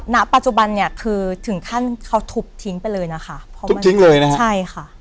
ณปัจจุบันเนี่ยคือถึงขั้นเขาทุบทิ้งไปเลยนะคะเพราะมันทิ้งเลยนะคะใช่ค่ะ